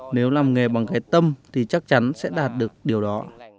tôi tin rằng nếu làm nghề bằng cái tâm thì chắc chắn sẽ đạt được điều đó